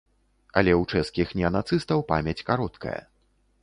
Але ў чэшскіх неанацыстаў памяць кароткая.